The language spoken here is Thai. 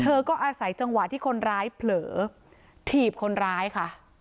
เธอก็อาศัยจังหวะที่คนร้ายเผลอถีบคนร้ายค่ะ